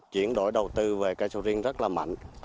chuyển đổi đầu tư về cây sầu riêng rất là mạnh